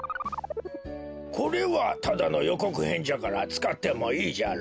これはただのよこくへんじゃからつかってもいいじゃろ。